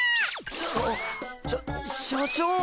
あっしゃ社長！